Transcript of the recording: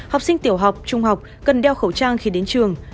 học sinh tiểu học trung học cần đeo khẩu trang khi đến trường